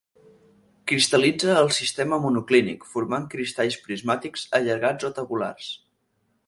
Cristal·litza en el sistema monoclínic, formant cristalls prismàtics allargats o tabulars.